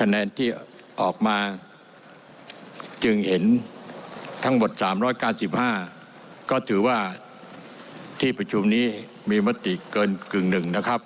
คะแนนที่ออกมาจึงเห็นทั้งหมด๓๙๕ก็ถือว่าที่ประชุมนี้มีมติเกินกึ่งหนึ่งนะครับ